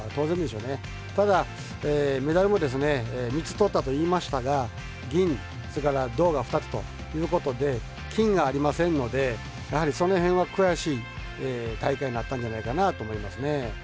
ただ、メダルも３つとったと言いましたが銀、銅が２つということで金がありませんのでやはり、その辺は悔しい大会になったんじゃないかなと思います。